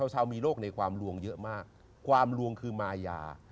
ชาวมีโรคในความลวงเยอะมากความลวงคือมายา